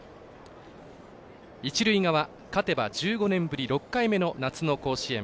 一塁側、勝てば１５年ぶり６回目の夏の甲子園。